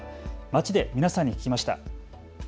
街で皆さんに聞きました。